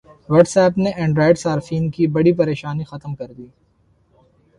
what's app نے اینڈرائیڈ صارفین کی بڑی پریشانی ختم کردی